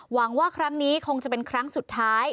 หวังว่าครั้งนี้คงจะเป็นครั้งสุดท้าย